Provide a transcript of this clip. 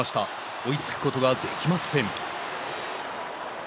追いつくことができません。